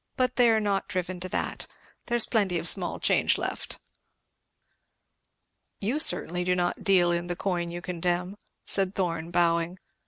"But they're not driven to that. There's plenty of small change left." "You certainly do not deal in the coin you condemn," said Thorn bowing.